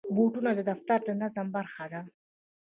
بوټونه د دفتر د نظم برخه ده.